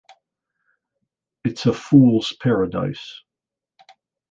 It's a fool's paradise.